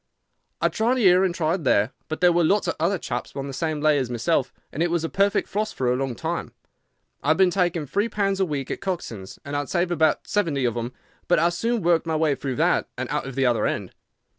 I tried here and tried there, but there were lots of other chaps on the same lay as myself, and it was a perfect frost for a long time. I had been taking three pounds a week at Coxon's, and I had saved about seventy of them, but I soon worked my way through that and out at the other end.